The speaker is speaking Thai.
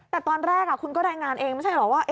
แต่ตอนแรกคุณก็รายงานเองไม่ใช่เหรอว่า